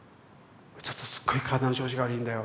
「ちょっとすっごい体の調子が悪いんだよ。